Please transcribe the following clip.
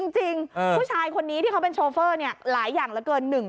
จริงผู้ชายคนนี้ที่เขาเป็นโชเฟอร์หลายอย่างเหลือเกิน